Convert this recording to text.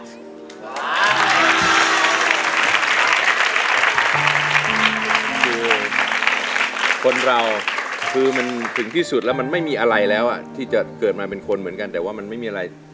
คือคนเราคือมันถึงที่สุดแล้วมันไม่มีอะไรแล้วที่จะเกิดมาเป็นคนเหมือนกันแต่ว่ามันไม่มีอะไร